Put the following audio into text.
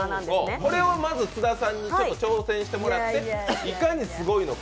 これを津田さんに挑戦してもらって、いかにすごいのか。